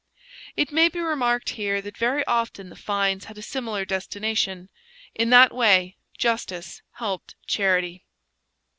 It may be remarked here that very often the fines had a similar destination; in that way justice helped charity.